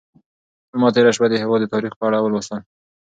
ما تېره شپه د هېواد د تاریخ په اړه ولوستل.